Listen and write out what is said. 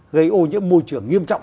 gây ô những môi trường nghiêm trọng